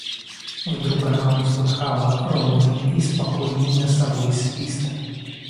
Вдруг она услыхала ровный и спокойный носовой свист.